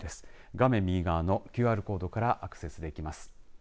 画面右側のＱＲコードからアクセスできます。